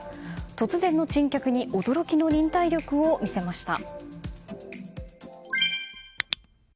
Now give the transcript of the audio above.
突然の珍客に驚きの忍耐力を見せました。